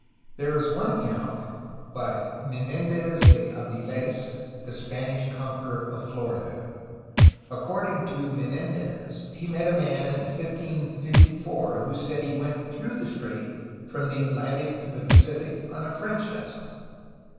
There is one account by Men^ndez de Avil^s, the Spanish conqueror of Florida. According to Men6ndez he met a man in 1554 who said he went through the strait from the Atlantic to the Pacific on a French vessel.